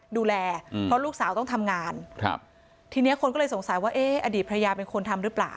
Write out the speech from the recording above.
ดูแลเพราะลูกสาวต้องทำงานครับทีนี้คนก็เลยสงสัยว่าเอ๊ะอดีตภรรยาเป็นคนทำหรือเปล่า